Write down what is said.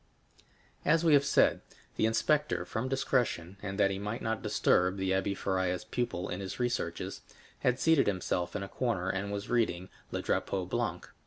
As we have said, the inspector, from discretion, and that he might not disturb the Abbé Faria's pupil in his researches, had seated himself in a corner, and was reading Le Drapeau Blanc.